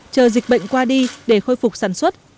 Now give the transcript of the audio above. chờ dịch bệnh qua đi để khôi phục sản xuất